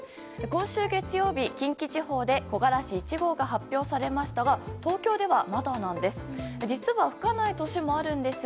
今週月曜日、近畿地方で木枯らし１号が発表されましたが東京ではまだなんです。